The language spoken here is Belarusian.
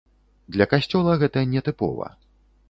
Для касцёла гэта не тыпова.